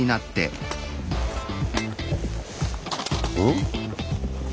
ん？